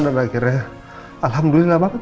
dan akhirnya alhamdulillah banget